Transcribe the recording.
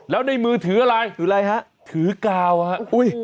แล้วในมือถืออะไรถืออะไรฮะถือกาวฮะอุ้ย